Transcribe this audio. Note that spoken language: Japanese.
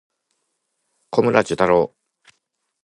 小村寿太郎